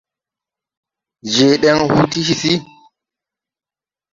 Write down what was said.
Je deŋ huu ti hisi.